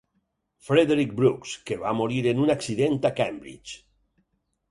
Frederic Brooks, que va morir en un accident a Cambridge.